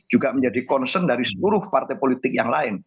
juga menjadi concern dari seluruh partai politik yang lain